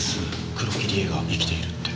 黒木梨絵が生きているって。